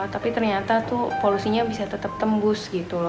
tapi ternyata polusinya bisa tetap tembus